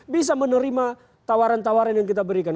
bisa menerima tawaran tawaran yang kita berikan